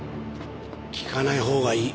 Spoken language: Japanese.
聞かないほうがいい。